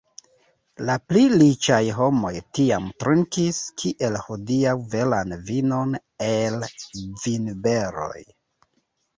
La pli riĉaj homoj tiam trinkis, kiel hodiaŭ veran vinon el vinberoj.